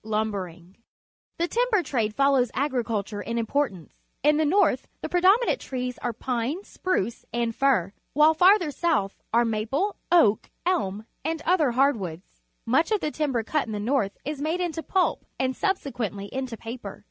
Lumbering. — The timber trade follows agriculture in importance. In the north the predominant trees are pine, spruce, and QUEBEC 93 fir, while farther south are maple, oak, elm, and other hardwoods. Much of the timber cut in the north is made into pulp and subse quently into paper.